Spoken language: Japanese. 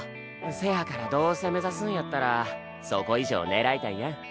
せやからどうせ目指すんやったらそこ以上狙いたいやん。